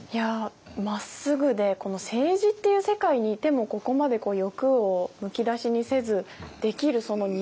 まっすぐで政治っていう世界にいてもここまで欲をむき出しにせずできるその人間性が本当にすごいなと思って。